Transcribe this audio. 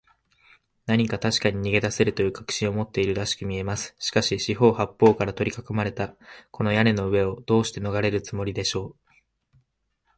何かたしかに逃げだせるという確信を持っているらしくみえます。しかし、四ほう八ぽうからとりかこまれた、この屋根の上を、どうしてのがれるつもりでしょう。